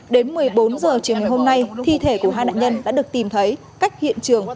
đến một mươi bốn h chiều ngày hôm nay thi thể của hai nạn nhân đã được tìm thấy cách hiện trường